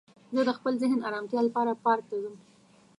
زه د خپل ذهن ارامتیا لپاره پارک ته ځم